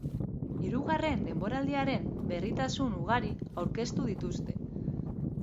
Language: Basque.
Hirugarren denboraldiaren berritasun ugari aurkeztu dituzte.